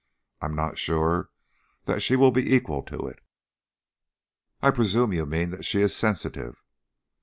I'm not sure that she will be equal to it." "I presume you mean that she is sensitive."